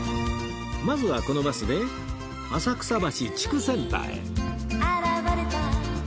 まずはこのバスで浅草橋地区センターへ